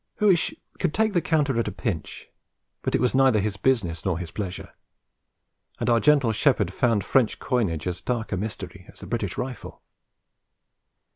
Huish could take the counter at a pinch, but it was neither his business nor his pleasure; and our gentle shepherd found French coinage as dark a mystery as the British rifle.